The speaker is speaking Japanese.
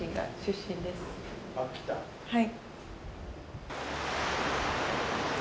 はい。